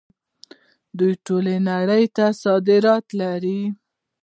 دوی ټولې نړۍ ته صادرات لري.